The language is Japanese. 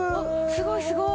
すごいすごい。